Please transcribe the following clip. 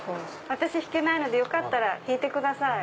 私弾けないのでよかったら弾いてください。